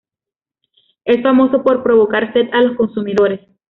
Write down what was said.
Es famoso por provocar sed a los consumidores.